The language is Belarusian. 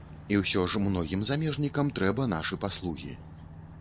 І ўсё ж многім замежнікам трэба нашы паслугі.